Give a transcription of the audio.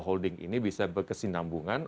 holding ini bisa berkesinambungan